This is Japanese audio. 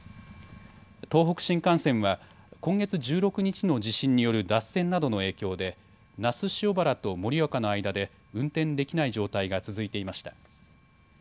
東北新幹線は今月１６日の地震による脱線などの影響で那須塩原と盛岡の間で運転できない状態が続いていました。